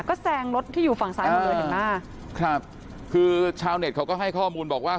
ก็แซงรถที่อยู่ฝั่งซ้ายหมดเลยเห็นไหมครับคือชาวเน็ตเขาก็ให้ข้อมูลบอกว่า